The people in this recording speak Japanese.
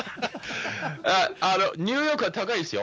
ニューヨークは高いですよ。